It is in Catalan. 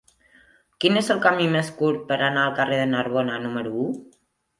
Quin és el camí més curt per anar al carrer de Narbona número u?